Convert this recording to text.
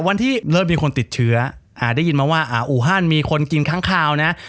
วันที่เริ่มมีคนติดเชื้อได้ยินมาว่าอูฮันมีคนกินค้างคาวนะ